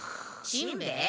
しんべヱ？